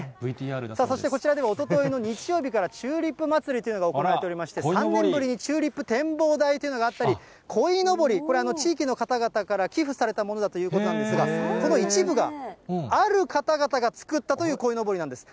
そしてこちらではおとといの日曜日から、チューリップまつりというのが行われていまして、３年ぶりにチューリップ展望台というのがあったり、こいのぼり、これ、地域の方々から寄付されたものだということなんですが、この一部がある方々が作ったというこいのぼりなんです。